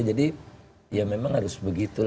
jadi ya memang harus begitu